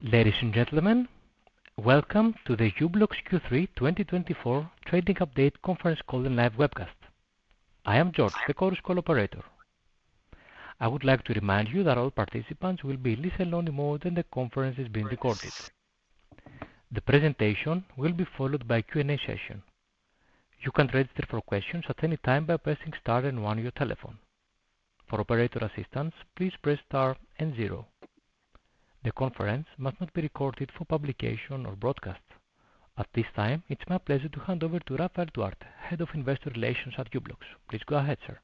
Ladies and gentlemen, welcome to the u-blox Q3 2024 Trading Update conference call and live webcast. I am George, the conference call operator. I would like to remind you that all participants will be in listen-only mode, and the conference is being recorded. The presentation will be followed by a Q&A session. You can register for questions at any time by pressing star and one on your telephone. For operator assistance, please press star and zero. The conference must not be recorded for publication or broadcast. At this time, it's my pleasure to hand over to Rafael Duarte, Head of Investor Relations at u-blox. Please go ahead, sir.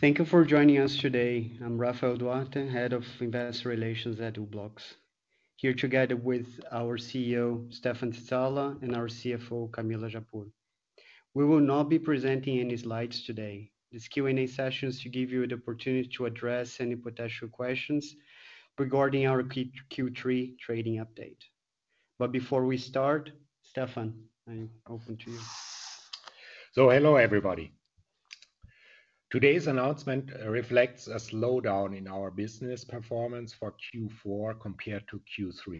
Thank you for joining us today. I'm Rafael Duarte, Head of Investor Relations at u-blox, here together with our CEO, Stephan Zizala, and our CFO, Camila Japur. We will not be presenting any slides today. This Q&A session is to give you the opportunity to address any potential questions regarding our Q3 trading update. But before we start, Stephan, I am open to you. Hello, everybody. Today's announcement reflects a slowdown in our business performance for Q4 compared to Q3.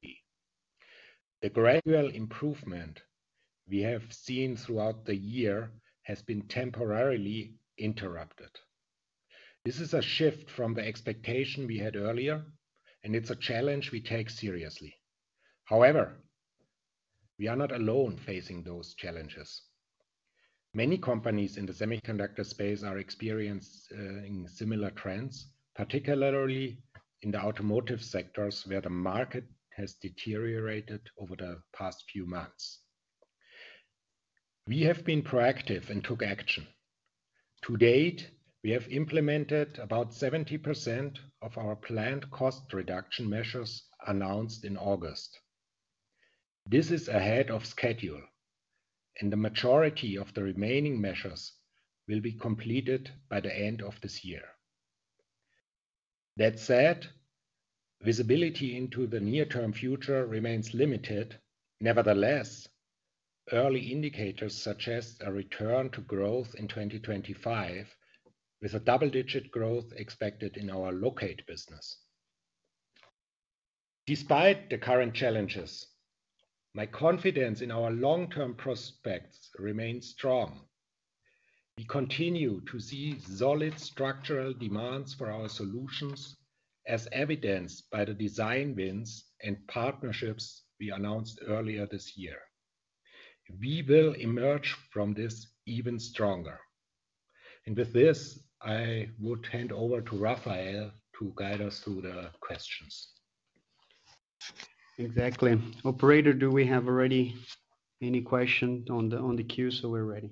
The gradual improvement we have seen throughout the year has been temporarily interrupted. This is a shift from the expectation we had earlier, and it's a challenge we take seriously. However, we are not alone facing those challenges. Many companies in the semiconductor space are experiencing similar trends, particularly in the automotive sectors, where the market has deteriorated over the past few months. We have been proactive and took action. To date, we have implemented about 70% of our planned cost reduction measures announced in August. This is ahead of schedule, and the majority of the remaining measures will be completed by the end of this year. That said, visibility into the near-term future remains limited. Nevertheless, early indicators suggest a return to growth in twenty twenty-five, with a double-digit growth expected in our Locate business. Despite the current challenges, my confidence in our long-term prospects remains strong. We continue to see solid structural demands for our solutions, as evidenced by the design wins and partnerships we announced earlier this year. We will emerge from this even stronger, and with this, I would hand over to Rafael to guide us through the questions. Exactly. Operator, do we have already any question on the queue, so we're ready?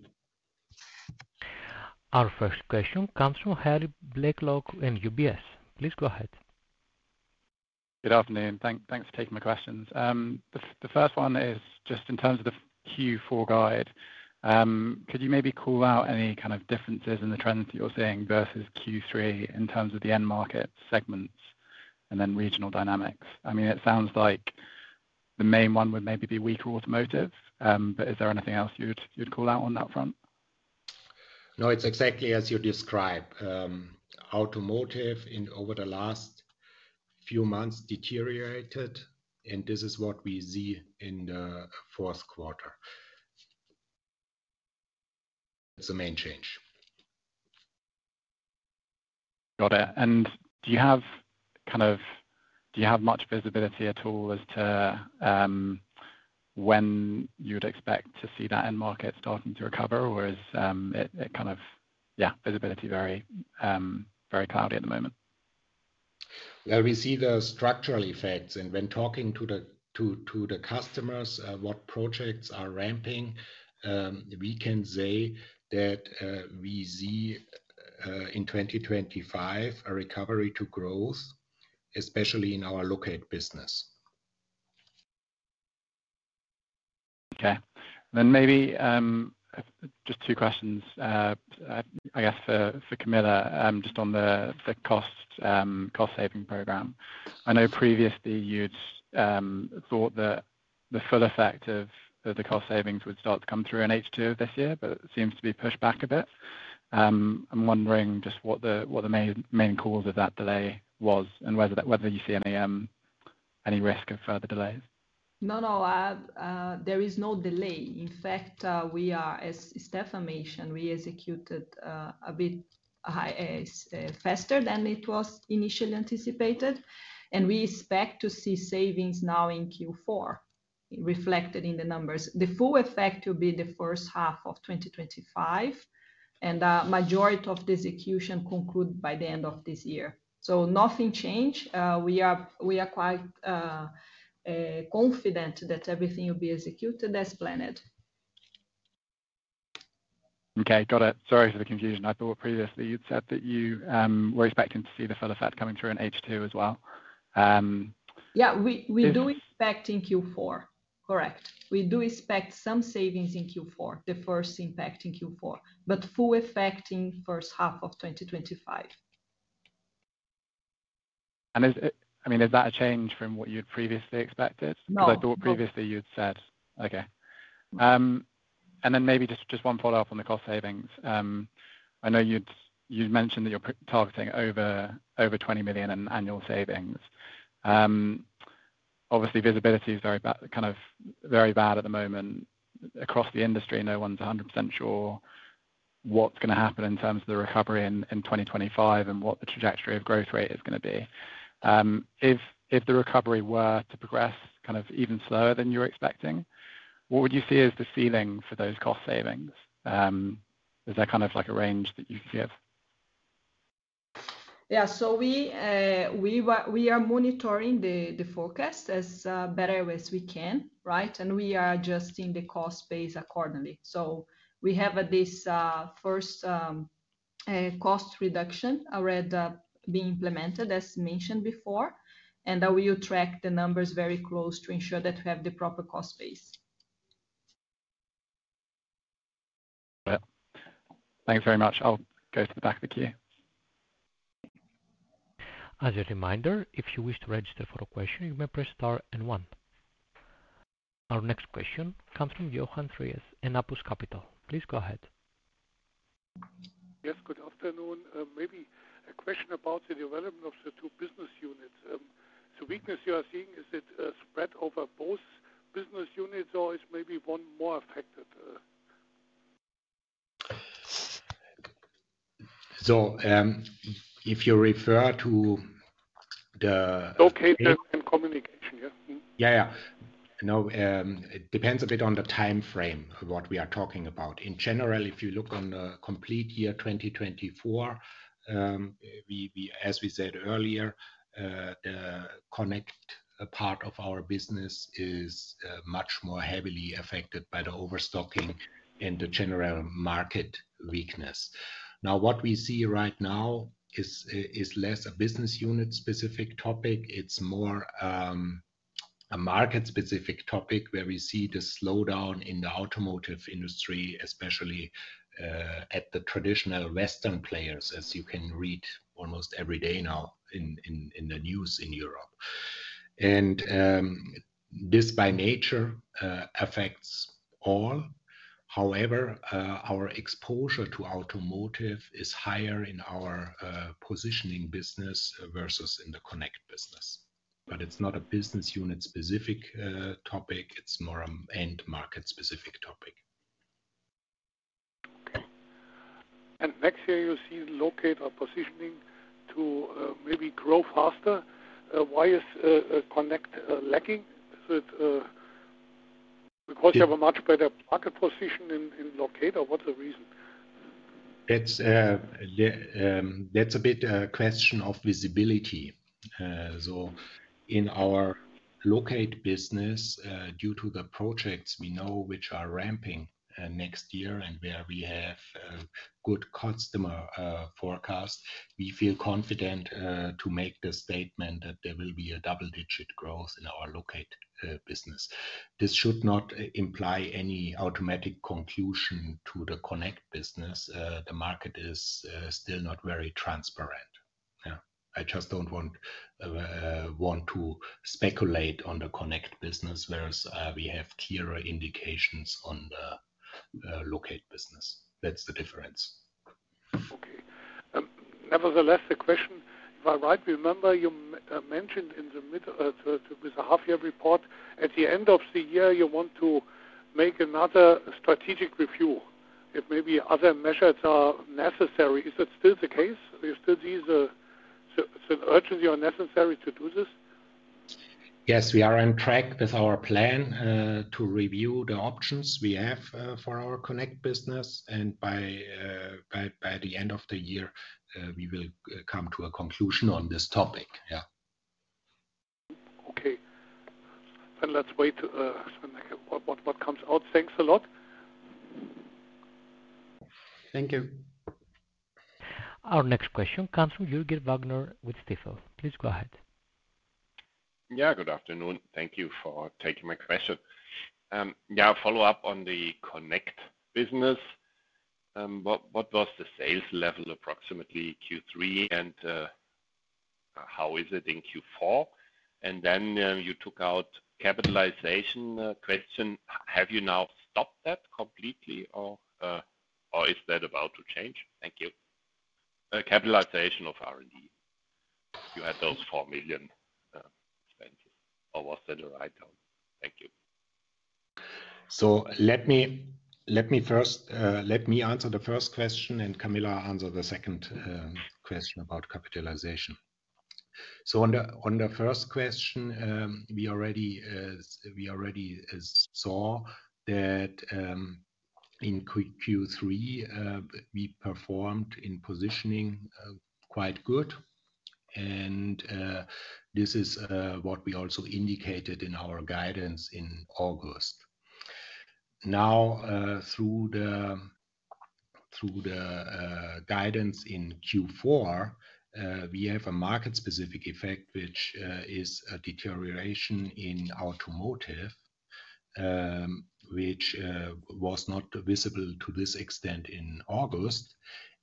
Our first question comes from Harry Blaiklock in UBS. Please go ahead. Good afternoon. Thanks for taking my questions. The first one is just in terms of the Q4 guide, could you maybe call out any kind of differences in the trends that you're seeing versus Q3 in terms of the end market segments and then regional dynamics? I mean, it sounds like the main one would maybe be weaker automotive, but is there anything else you'd call out on that front? No, it's exactly as you describe. Automotive in over the last few months deteriorated, and this is what we see in the fourth quarter. It's the main change. Got it. And do you have, kind of, much visibility at all as to when you'd expect to see that end market starting to recover? Or is it kind of, yeah, visibility very very cloudy at the moment? We see the structural effects, and when talking to the customers what projects are ramping, we can say that we see in 2025 a recovery to growth, especially in our Locate business. Okay. Then maybe just two questions, I guess for Camila, just on the cost saving program. I know previously you'd thought that the full effect of the cost savings would start to come through in H2 of this year, but it seems to be pushed back a bit. I'm wondering just what the main cause of that delay was and whether you see any risk of further delays. No, no, there is no delay. In fact, as Stephan mentioned, we executed a bit high faster than it was initially anticipated, and we expect to see savings now in Q4 reflected in the numbers. The full effect will be the first half of twenty twenty-five, and the majority of the execution conclude by the end of this year. So nothing change. We are quite confident that everything will be executed as planned. Okay, got it. Sorry for the confusion. I thought previously you'd said that you were expecting to see the full effect coming through in H2 as well. Yeah. We do. It expect in Q4. Correct. We do expect some savings in Q4, the first impact in Q4, but full effect in first half of 2025. Is it, I mean, is that a change from what you had previously expected? No. Because I thought previously you had said... Okay. And then maybe just one follow-up on the cost savings. I know you'd mentioned that you're targeting over 20 million in annual savings. Obviously, visibility is very bad, kind of very bad at the moment. Across the industry, no one's 100% sure what's gonna happen in terms of the recovery in 2025 and what the trajectory of growth rate is gonna be. If the recovery were to progress kind of even slower than you're expecting, what would you see as the ceiling for those cost savings? Is there kind of like a range that you can give? We are monitoring the forecast as best as we can, right? We are adjusting the cost base accordingly. We have this first cost reduction already being implemented, as mentioned before, and we will track the numbers very closely to ensure that we have the proper cost base. Yeah. Thank you very much. I'll go to the back of the queue. As a reminder, if you wish to register for a question, you may press star and One. Our next question comes from Johann Reyes in Apus Capital. Please go ahead. Yes, good afternoon. Maybe a question about the development of the two business units. The weakness you are seeing, is it spread over both business units or is maybe one more affected? So, if you refer to the- Locate and Connect, yeah, mm-hmm. Yeah, yeah. Now, it depends a bit on the time frame, what we are talking about. In general, if you look on the complete year 2024, as we said earlier, the Connect part of our business is much more heavily affected by the overstocking and the general market weakness. Now, what we see right now is less a business unit specific topic, it's more a market-specific topic, where we see the slowdown in the automotive industry, especially at the traditional Western players, as you can read almost every day now in the news in Europe. This by nature affects all. However, our exposure to automotive is higher in our positioning business versus in the Connect business. But it's not a business unit-specific topic, it's more end market-specific topic. Okay. And next year, you see Locate or Positioning to maybe grow faster. Why is Connect lacking? Is it because you have a much better market position in Locate, or what's the reason? It's yeah, that's a bit of a question of visibility. So in our Locate business, due to the projects we know which are ramping next year and where we have good customer forecast, we feel confident to make the statement that there will be a double-digit growth in our Locate business. This should not imply any automatic conclusion to the Connect business. The market is still not very transparent, yeah. I just don't want to speculate on the Connect business, whereas we have clearer indications on the Locate business. That's the difference. Okay. Nevertheless, the question, if I remember right, you mentioned in the half-year report, at the end of the year, you want to make another strategic review, if maybe other measures are necessary. Is that still the case? There still is a urgency or necessary to do this? Yes, we are on track with our plan to review the options we have for our Connect business, and by the end of the year, we will come to a conclusion on this topic. Yeah. Okay. Then let's wait, what comes out. Thanks a lot. Thank you. Our next question comes from Jürgen Wagner with Stifel. Please go ahead. Yeah, good afternoon. Thank you for taking my question. Yeah, a follow-up on the Connect business. What was the sales level, approximately Q3, and how is it in Q4? And then, you took out capitalization question: Have you now stopped that completely, or is that about to change? Thank you. Capitalization of R&D. You had those four million CHF expenses, or was that the right count? Thank you. So let me first answer the first question, and Camila answer the second question about capitalization. So on the first question, we already saw that in Q3 we performed in positioning quite good, and this is what we also indicated in our guidance in August. Now through the guidance in Q4 we have a market-specific effect, which is a deterioration in automotive, which was not visible to this extent in August.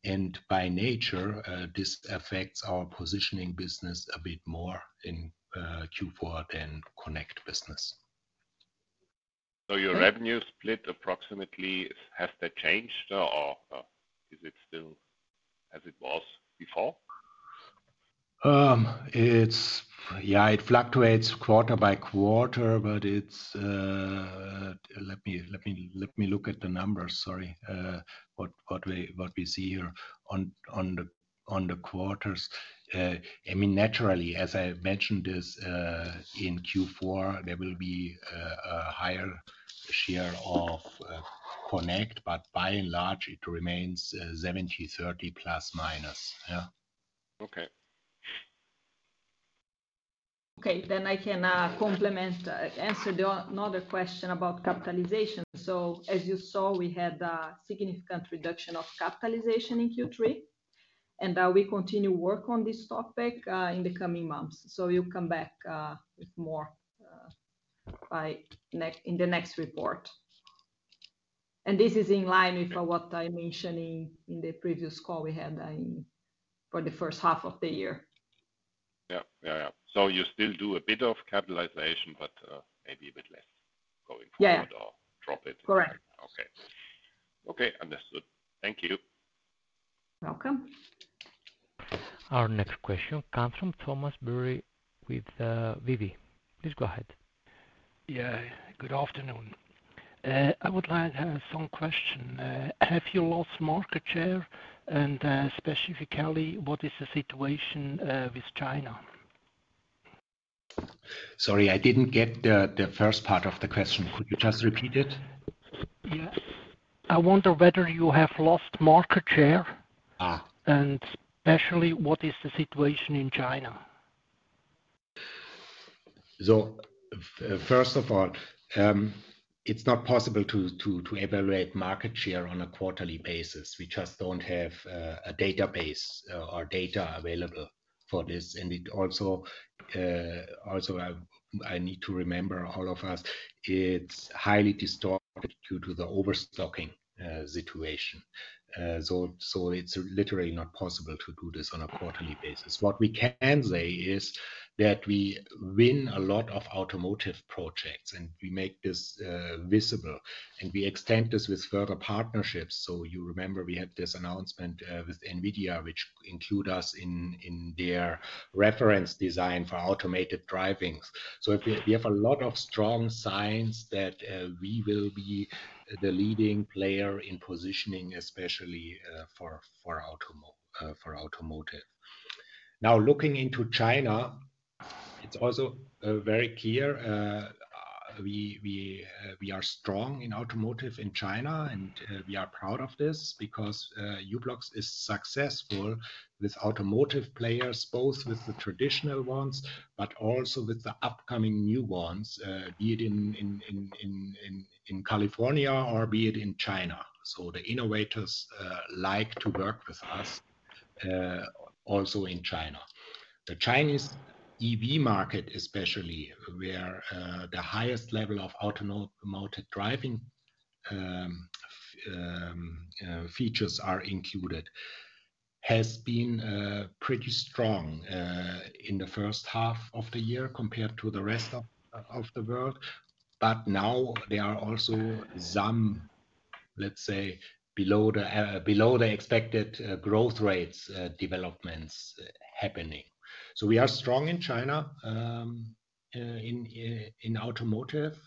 And by nature this affects our positioning business a bit more in Q4 than Connect business.... So, your revenue split approximately, has that changed or is it still as it was before? It's yeah, it fluctuates quarter by quarter, but it's, let me look at the numbers, sorry. What we see here on the quarters. I mean, naturally, as I mentioned this in Q4, there will be a higher share of Connect, but by and large, it remains 70-30, plus minus. Yeah. Okay. Okay, then I can comment on and answer another question about capitalization. So as you saw, we had a significant reduction of capitalization in Q3, and we continue work on this topic in the coming months. So we'll come back with more in the next report, and this is in line with what I mentioned in the previous call we had for the first half of the year. Yeah. Yeah, yeah. So you still do a bit of capitalization, but, maybe a bit less going forward- Yeah. or drop it? Correct. Okay. Okay, understood. Thank you. Welcome. Our next question comes from Thomas Bury with Vontobel. Please go ahead. Yeah, good afternoon. I would like to have some question. Have you lost market share? And, specifically, what is the situation with China? Sorry, I didn't get the first part of the question. Could you just repeat it? Yes. I wonder whether you have lost market share? Ah. -and especially, what is the situation in China? So, first of all, it's not possible to evaluate market share on a quarterly basis. We just don't have a database or data available for this. And it also, I need to remember, all of us, it's highly distorted due to the overstocking situation. So it's literally not possible to do this on a quarterly basis. What we can say is that we win a lot of automotive projects, and we make this visible, and we extend this with further partnerships. So you remember we had this announcement with NVIDIA, which include us in their reference design for automated drivings. So we have a lot of strong signs that we will be the leading player in positioning, especially for automotive. Now, looking into China, it's also very clear we are strong in automotive in China, and we are proud of this because u-blox is successful with automotive players, both with the traditional ones, but also with the upcoming new ones, be it in California or be it in China. So the innovators like to work with us also in China. The Chinese EV market, especially, where the highest level of automotive driving features are included, has been pretty strong in the first half of the year compared to the rest of the world. But now there are also some, let's say, below the expected growth rates developments happening. We are strong in China, in automotive,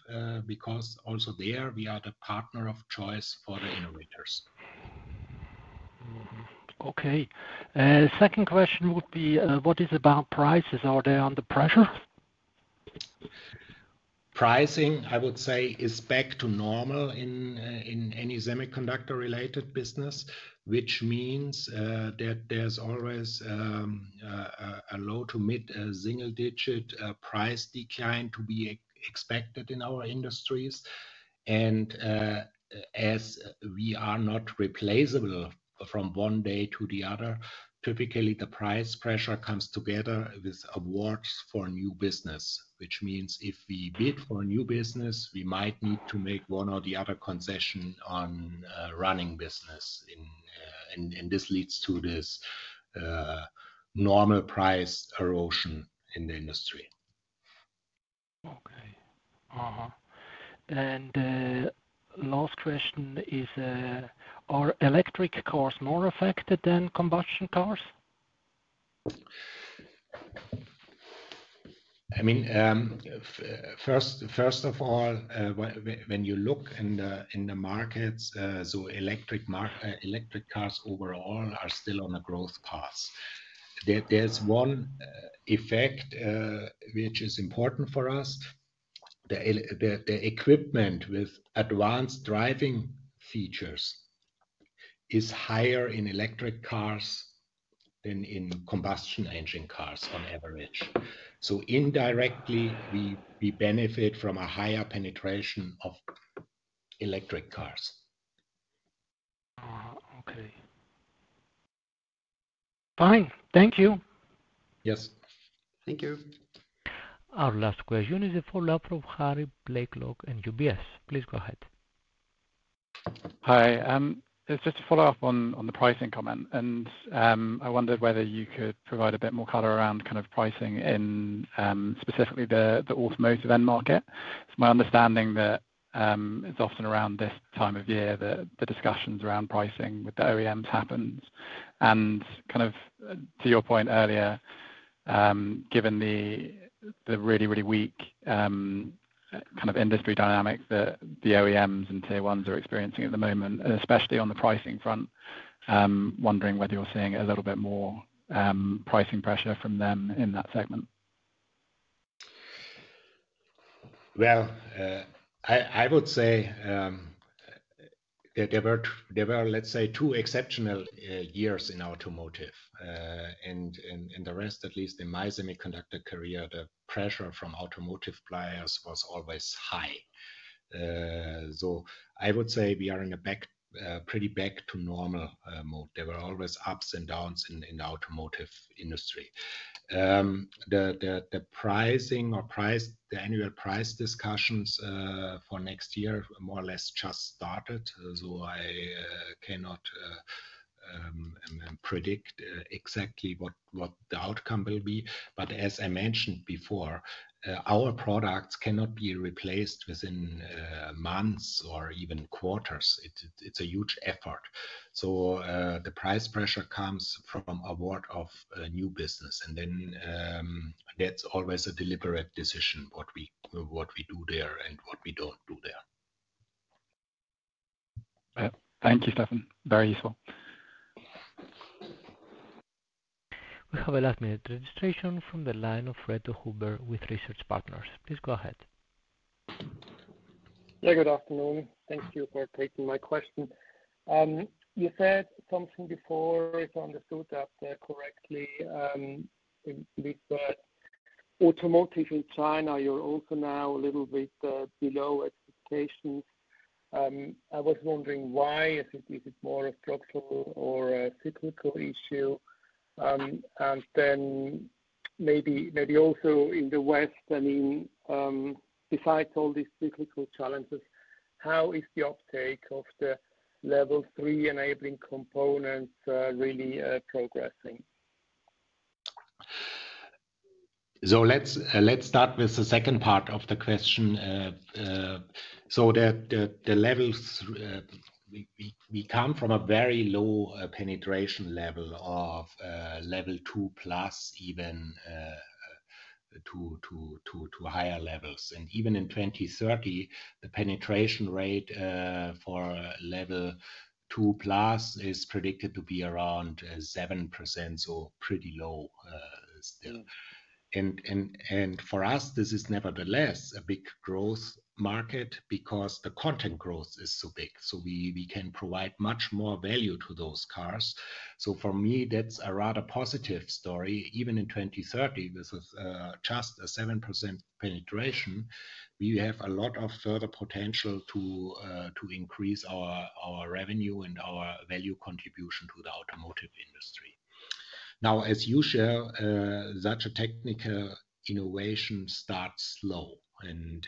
because also there we are the partner of choice for the innovators. Mm-hmm. Okay. Second question would be, what about prices? Are they under pressure? Pricing, I would say, is back to normal in any semiconductor-related business, which means that there's always a low- to mid-single-digit price decline to be expected in our industries. And as we are not replaceable from one day to the other, typically the price pressure comes together with awards for new business, which means if we bid for a new business, we might need to make one or the other concession on running business, and this leads to this normal price erosion in the industry. Okay. Uh-huh. And, last question is, are electric cars more affected than combustion cars? I mean, first of all, when you look in the markets, so electric cars overall are still on a growth path. There's one effect which is important for us. The equipment with advanced driving features is higher in electric cars than in combustion engine cars on average. So indirectly, we benefit from a higher penetration of electric cars. Okay. Fine. Thank you. Yes. Thank you. Our last question is a follow-up from Harry Blaiklock in UBS. Please go ahead. Hi, it's just to follow up on the pricing comment, and I wondered whether you could provide a bit more color around kind of pricing in, specifically the automotive end market. It's my understanding that, it's often around this time of year that the discussions around pricing with the OEMs happens, and kind of to your point earlier, given the really, really weak, kind of industry dynamics that the OEMs and Tier 1s are experiencing at the moment, especially on the pricing front, wondering whether you're seeing a little bit more, pricing pressure from them in that segment? I would say there were, let's say, two exceptional years in automotive, and the rest, at least in my semiconductor career, the pressure from automotive suppliers was always high, so I would say we are in a pretty back to normal mode. There were always ups and downs in the automotive industry. The pricing or the annual price discussions for next year more or less just started, so I cannot predict exactly what the outcome will be, but as I mentioned before, our products cannot be replaced within months or even quarters. It's a huge effort. The price pressure comes from awards of new business, and then that's always a deliberate decision, what we do there and what we don't do there. Yeah. Thank you, Stephan. Very useful. We have a last-minute registration from the line of Fred Huber with Research Partners. Please go ahead. Yeah, good afternoon. Thank you for taking my question. You said something before, if I understood that correctly, with the automotive in China, you're also now a little bit below expectations. I was wondering why. I think is it more a structural or a cyclical issue? And then maybe also in the West, I mean, besides all these cyclical challenges, how is the uptake of the Level 3 enabling components really progressing? So let's start with the second part of the question. So the levels we come from a very low penetration level of Level 2+, even to higher levels. And even in 2030, the penetration rate for Level 2+ is predicted to be around 7%, so pretty low still. And for us, this is nevertheless a big growth market because the content growth is so big, so we can provide much more value to those cars. So for me, that's a rather positive story. Even in 2030, this is just a 7% penetration. We have a lot of further potential to increase our revenue and our value contribution to the automotive industry. Now, as usual, such a technical innovation starts slow, and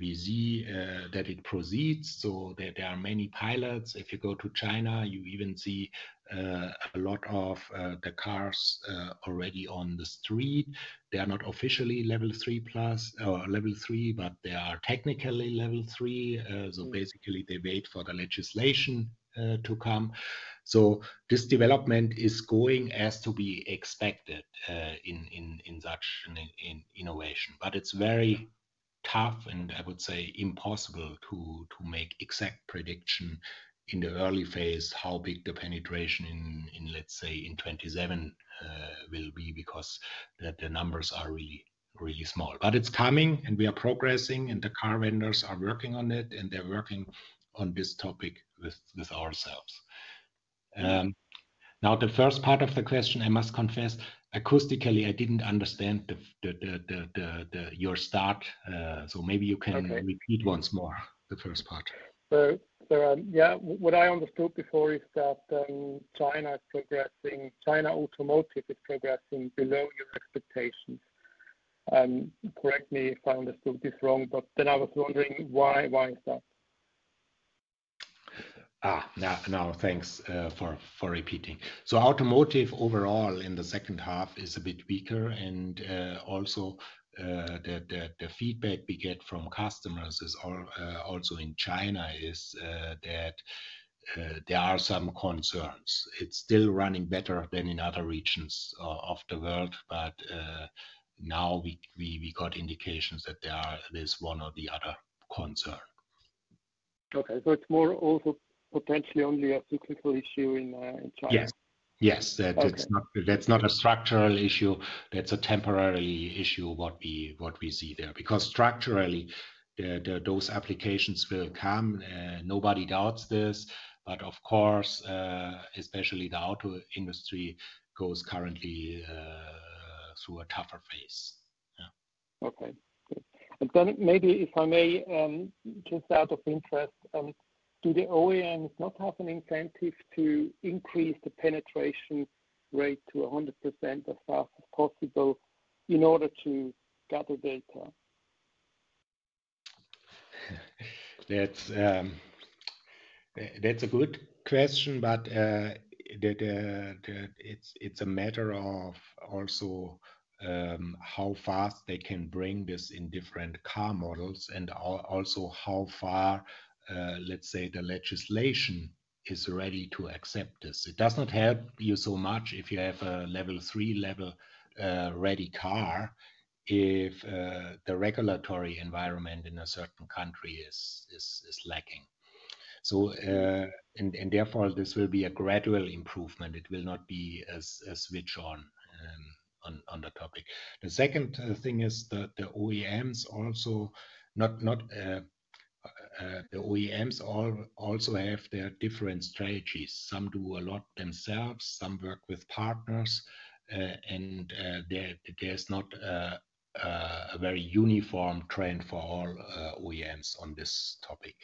we see that it proceeds, so there are many pilots. If you go to China, you even see a lot of the cars already on the street. They are not officially Level 3+ or Level 3, but they are technically Level 3. So basically, they wait for the legislation to come. So this development is going as to be expected in such an innovation. But it's very tough and I would say impossible to make exact prediction in the early phase, how big the penetration in, let's say, in 2027, will be, because the numbers are really, really small. But it's coming, and we are progressing, and the car vendors are working on it, and they're working on this topic with ourselves. Now, the first part of the question, I must confess, acoustically, I didn't understand the your start, so maybe you can- Okay. Repeat once more, the first part. Yeah, what I understood before is that China automotive is progressing below your expectations. Correct me if I understood this wrong, but then I was wondering why is that? Thanks for repeating. So automotive overall in the second half is a bit weaker, and also the feedback we get from customers is also in China, is that there are some concerns. It's still running better than in other regions of the world, but now we got indications that there's one or the other concern. Okay, so it's more also potentially only a cyclical issue in China? Yes. Yes. Okay. That's not a structural issue. That's a temporary issue, what we see there. Because structurally, those applications will come. Nobody doubts this, but of course, especially the auto industry goes currently through a tougher phase. Yeah. Okay, good. And then maybe, if I may, just out of interest, do the OEMs not have an incentive to increase the penetration rate to 100% as fast as possible? In order to gather data? That's a good question, but that it's a matter of also how fast they can bring this in different car models and also how far, let's say, the legislation is ready to accept this. It does not help you so much if you have a Level 3 ready car, if the regulatory environment in a certain country is lacking. So, therefore, this will be a gradual improvement. It will not be a switch on the topic. The second thing is that the OEMs also have their different strategies. Some do a lot themselves, some work with partners, and there's not a very uniform trend for all OEMs on this topic.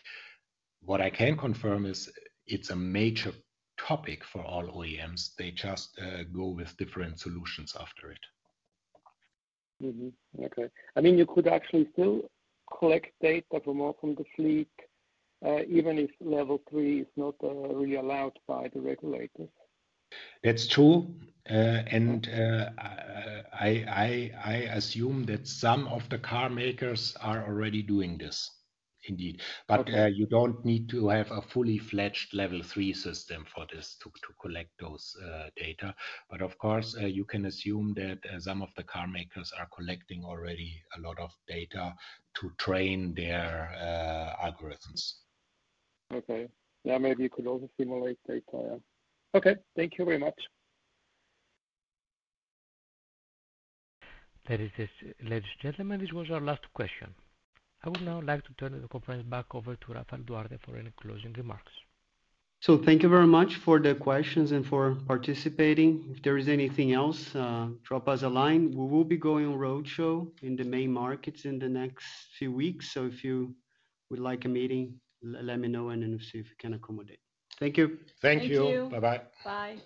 What I can confirm is it's a major topic for all OEMs. They just go with different solutions after it. Mm-hmm. Okay. I mean, you could actually still collect data from all the fleet, even if Level 3 is not really allowed by the regulators. That's true, and I assume that some of the car makers are already doing this indeed. Okay. But you don't need to have a fully fledged Level 3 system for this to collect those data. But of course you can assume that some of the car makers are collecting already a lot of data to train their algorithms. Okay. Yeah, maybe you could also simulate data. Yeah. Okay. Thank you very much. That is it, ladies and gentlemen, this was our last question. I would now like to turn the conference back over to Rafael Duarte for any closing remarks. Thank you very much for the questions and for participating. If there is anything else, drop us a line. We will be going roadshow in the main markets in the next few weeks, so if you would like a meeting, let me know, and then we'll see if we can accommodate. Thank you. Thank you. Thank you. Bye-bye. Bye.